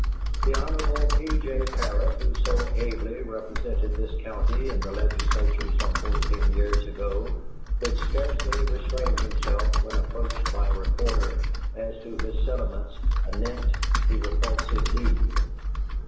"The Hon. P. J. Parrott, who so ably represented this county in the Legislature some fourteen years ago, could scarcely restrain himself when approached by a reporter as to his sentiments anent the repulsive deed.